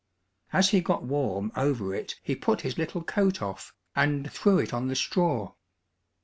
As he got warm over it he put his little coat off and threw it on the straw.